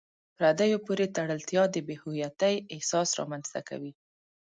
پردیو پورې تړلتیا د بې هویتۍ احساس رامنځته کوي.